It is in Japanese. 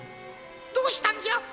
どうしたんじゃ？